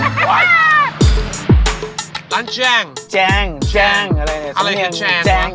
แจ้งอะไรครับสังเงียงหรือ